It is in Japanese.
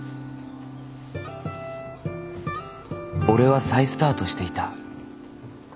［俺は再スタートしていた］